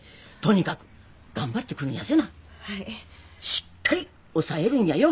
しっかり押さえるんやよ